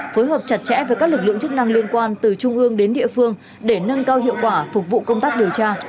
phối hợp chặt chẽ với các lực lượng chức năng liên quan từ trung ương đến địa phương để nâng cao hiệu quả phục vụ công tác điều tra